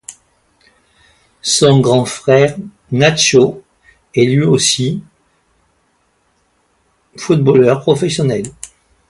Son grand frère, Nacho, est lui aussi footballeur professionnel.